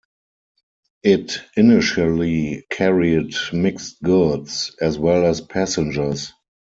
It initially carried mixed goods, as well as passengers.